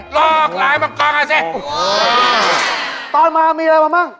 ตอนมามีอะไรบ้างมั้ง